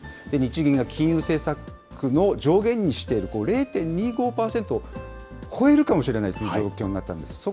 日銀が金融政策の上限にしている０．２５％を超えるかもしれないという状況になったんです。